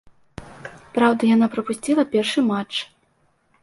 Праўда, яна прапусціла першы матч.